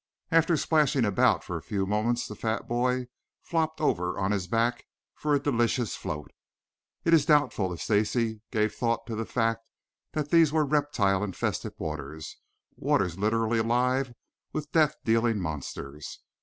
After splashing about for a few moments the fat boy flopped over on his back for a delicious float. It is doubtful if Stacy gave thought to the fact that these were reptile infested waters, waters literally alive with death dealing monsters.